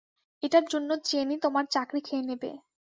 এটার জন্য চেনি তোমার চাকরি খেয়ে নেবে।